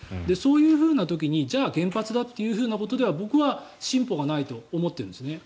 そういう時にじゃあ原発だということでは僕は進歩がないと思います。